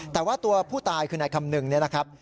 แต่ว่าตัวผู้ตายคือนายคำนึงเนี่ยนะครับ